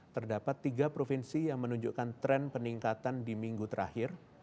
terdapat tiga provinsi yang menunjukkan tren peningkatan di minggu terakhir